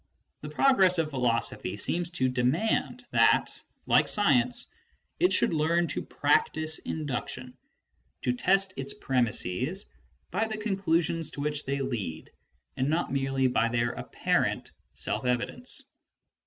The progress of philo sophy seems to demand that, like science, it should learn to practise induction, to test its premisses by the conclusions to which they lead, and not merely by their apparent self evidence.